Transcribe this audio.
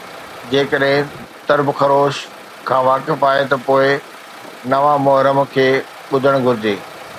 جيڪڏهن ترب خروش کان واقف آهي ته پوءِ نواءِ محرم کي ٻڌڻ گهرجي